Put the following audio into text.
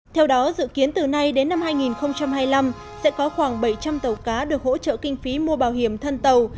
theo đó dự kiến từ nay đến năm hai nghìn hai mươi năm sẽ có khoảng bảy trăm linh tàu cá được hỗ trợ kinh phí mua bảo hiểm thân tàu